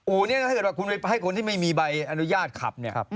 อู๋นี้คุณปฏิชนึงประเภทไม่มีใบอนุญาตขับ